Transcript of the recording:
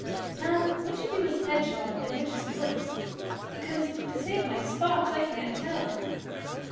Now which of you is Hedgehog and which is Tortoise? because, to save my spots, I can't tell.